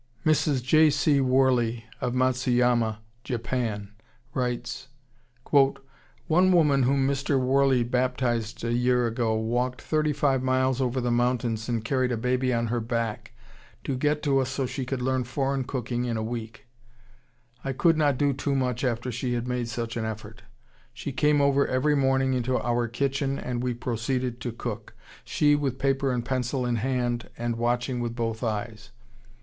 ] Mrs. J. C. Worley of Matsuyama, Japan, writes: "One woman whom Mr. Worley baptized a year ago walked thirty five miles over the mountains and carried a baby on her back to get to us so she could learn foreign cooking in a week. I could not do too much after she had made such an effort. She came over every morning into our kitchen, and we proceeded to cook; she with paper and pencil in hand and watching with both eyes.